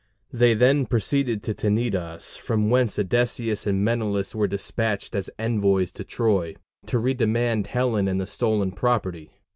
They then proceeded to Tenedos, from whence Odysseus and Menelaus were dispatched as envoys to Troy, to redemand Helen and the stolen property.